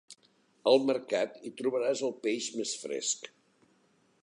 Al Mercat hi trobaràs el peix més fresc.